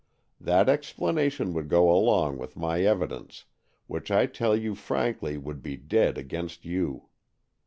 That explanation would go along with my evidence, which I tell you frankly would be dead against you.